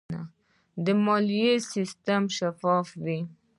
د مالیې سیستم شفاف وي.